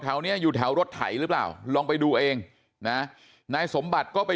แถวเนี้ยอยู่แถวรถไถหรือเปล่าลองไปดูเองนะนายสมบัติก็ไป